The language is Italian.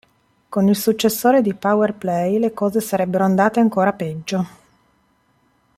Con il successore di "Power Play" le cose sarebbero andate ancora peggio.